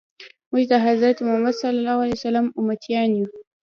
موږ د حضرت محمد صلی الله علیه وسلم امتیان یو.